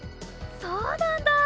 そうなんだ！